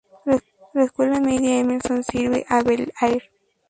La Escuela Media Emerson sirve a Bel-Air.